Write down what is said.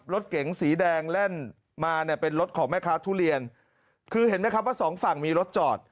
รถเก๋งสีแดงแล่นมาเนี่ยเป็นรถของแม่ค้าทุเรียนคือเห็นไหมครับว่าสองฝั่งมีรถจอด